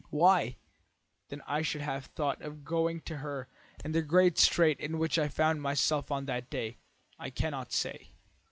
Why, then, I should have thought of going to her in the great strait in which I found myself on that day, I cannot say.